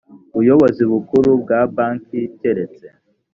buyobozi bukuru bwa banki keretse